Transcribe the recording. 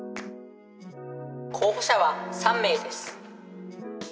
候補者は３名です。